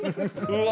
うわ。